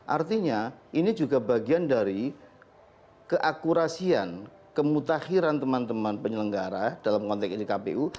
artinya ini juga bagian dari keakurasian kemutakhiran teman teman penyelenggara dalam konteks ini kpu